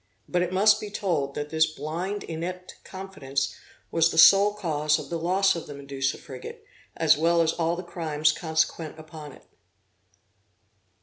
But it must be told, that this blind inept confidence was the sole cause of the loss of the Medusa frigate, as well as all the crimes consequent upon it.